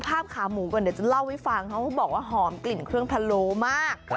ขาหมูก่อนเดี๋ยวจะเล่าให้ฟังเขาก็บอกว่าหอมกลิ่นเครื่องพะโลมาก